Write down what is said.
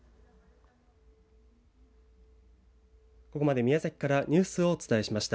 ここまで宮崎からニュースをお伝えしました。